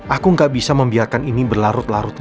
aku gak bisa membiarkan ini berlarut larut